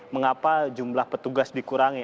mengapa jumlah petugas dikurangi